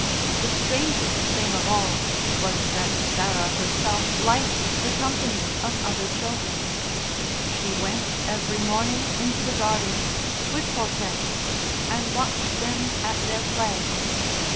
The strangest thing of all was that Sarah herself liked the company of other children. She went every morning into the gardens (with Hortense) and watched them at their play.